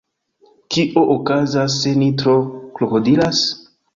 Kio okazas se ni tro krokodilas?